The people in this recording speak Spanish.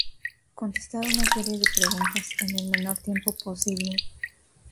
Contestar una serie de preguntas, en el menor tiempo posible.